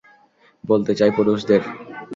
বলতে চাই, পুরুষদের।